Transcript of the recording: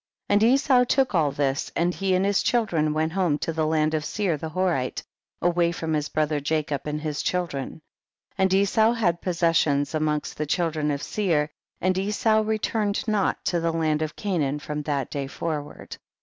31. And Esau took all this, and he and his children went home to the land of Seir the Horite, away from his brother Jacob and his children. 32. And Esau had possessions amongst the children of Seir, and Esau returned not to the land of Ca naan from that dav forward.